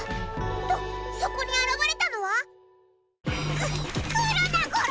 とそこにあらわれたのはく来るなゴロ！